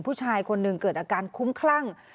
ผู้ชายคนหนึ่งเกิดอาการคุ้มคลั่ง